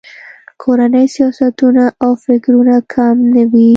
کورني سیاستونه او فکرونه کم نه وي.